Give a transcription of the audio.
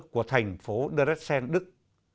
của thành phố dresden đức